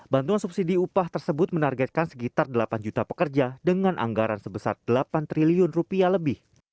bantuan subsidi upah tersebut menargetkan sekitar delapan juta pekerja dengan anggaran sebesar delapan triliun rupiah lebih